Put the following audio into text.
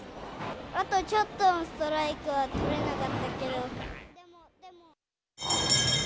あとちょっとでストライクが取れなかったけど。